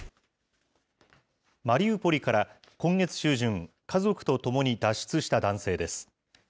マリウポリから今月中旬、家族と共に脱出した男性です。